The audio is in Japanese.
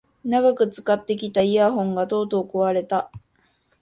長く使ってきたイヤホンがとうとう壊れた